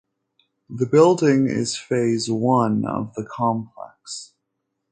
The building is phase one of the complex.